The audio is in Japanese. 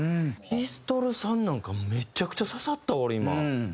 ピストルさんなんかめちゃくちゃ刺さったわ俺今。